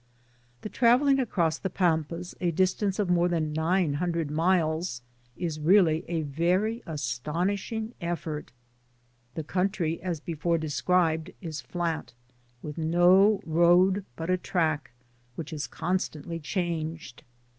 The travelling across the Pampas a distance of more than nine hundred miles is really a very astonishing effort. The country, as before de scribed, is flat, with no road but a track, which is constantly changed.